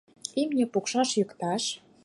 Имне пукшаш-йӱкташ.